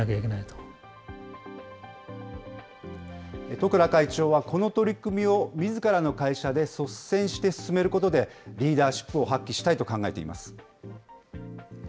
十倉会長は、この取り組みをみずからの会社で率先して進めることで、リーダーシップを発揮したいと考えています。